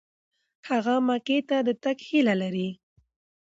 هغه مکې ته د تګ هیله لري.